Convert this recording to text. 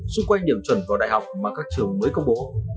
xung quanh điểm chuẩn vào đại học mà các trường mới công bố